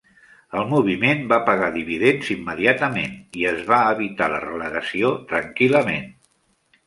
El moviment va pagar dividends immediatament i es va evitar la relegació tranquil·lament.